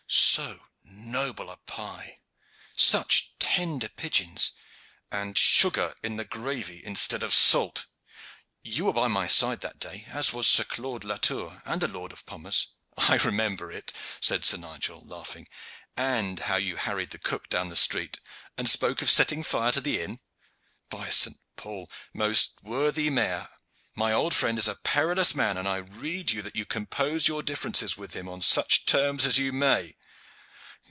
So noble a pie, such tender pigeons, and sugar in the gravy instead of salt! You were by my side that day, as were Sir Claude Latour and the Lord of Pommers." "I remember it," said Sir Nigel, laughing, "and how you harried the cook down the street, and spoke of setting fire to the inn. By St. Paul! most worthy mayor, my old friend is a perilous man, and I rede you that you compose your difference with him on such terms as you may."